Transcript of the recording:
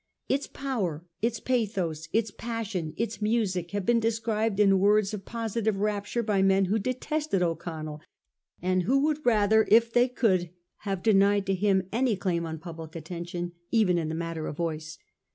Its power, its pathos, its passion, its music have been described in words of positive rapture by men who detested O'Connell, and who would rather if they could have denied to him any claim on public attention, even in the matter of voice.